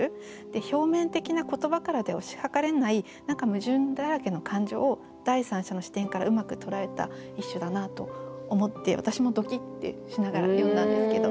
表面的な言葉からでは推し量れない何か矛盾だらけの感情を第三者の視点からうまく捉えた一首だなと思って私もドキッてしながら読んだんですけど。